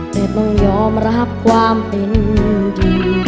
แต่ต้องยอมรับความเป็นจริง